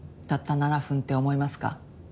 たった７分って思いますか？